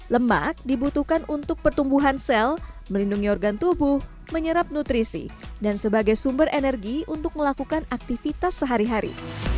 lemak dibutuhkan untuk pertumbuhan sel melindungi organ tubuh menyerap nutrisi dan sebagai sumber energi untuk melakukan aktivitas sehari hari